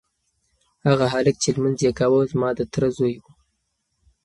هغه هلک چې لمونځ یې کاوه زما د تره زوی و.